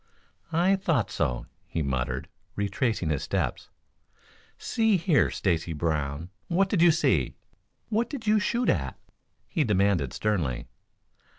"I thought so," he muttered, retracing his steps. "See here, Stacy Brown, what did you see what did you shoot at?" he demanded sternly.